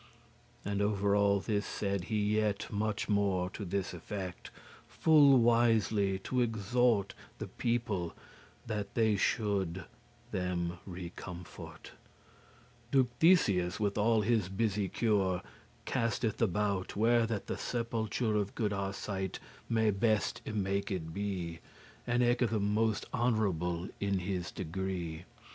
And over all this said he yet much more To this effect, full wisely to exhort The people, that they should them recomfort. Duke Theseus, with all his busy cure*, *care *Casteth about*, where that the sepulture *deliberates* Of good Arcite may best y maked be, And eke most honourable in his degree.